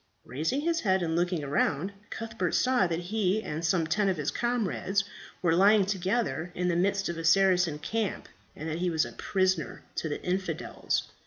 Raising his head and looking round, Cuthbert saw that he and some ten of his comrades were lying together in the midst of a Saracen camp, and that he was a prisoner to the infidels.